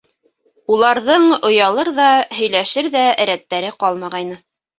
Уларҙың оялыр ҙа, һөйләшер ҙә рәттәре ҡалмағайны.